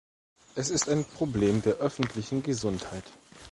Es ist ein Problem der öffentlichen Gesundheit.